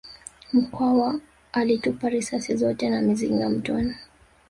Mkwawa alitupa risasi zote na mizinga mtoni